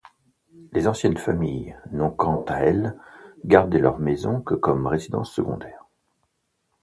Les anciennes familles n'ont quant à elles gardé leurs maisons que comme résidences secondaires.